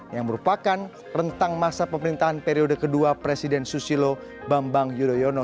yang merupakan rentang masa pemerintahan periode kedua presiden susilo bambang yudhoyono